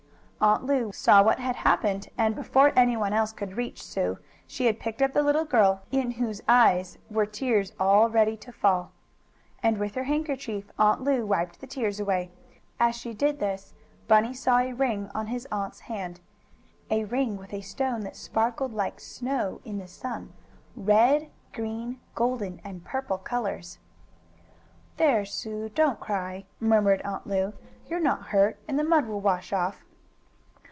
Aunt Lu saw what had happened, and, before any one else could reach Sue, she had picked up the little girl, in whose eyes were tears all ready to fall. And with her handkerchief Aunt Lu wiped the tears away. As she did this Bunny saw a ring on his aunt's hand a ring with a stone that sparkled like snow in the sun red, green, golden and purple colors. "There, Sue! Don't cry!" murmured Aunt Lu. "You're not hurt, and the mud will wash off."